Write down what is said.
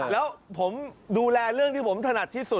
แล้วผมดูแลเรื่องที่ผมถนัดที่สุด